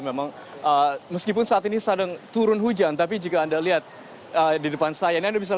memang meskipun saat ini sedang turun hujan tapi jika anda lihat di depan saya